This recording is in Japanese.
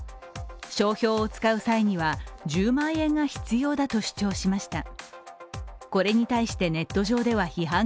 商標を使う際には１０万円が必要だと主張しました。